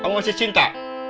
kamu masih cinta